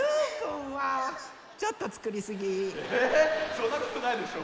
そんなことないでしょ！